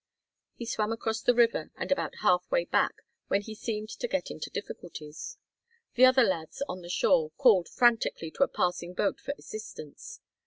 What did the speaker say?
He swam across the river and about half way back, when he seemed to get into difficulties. The other lads on the shore called frantically to a passing boat for assistance.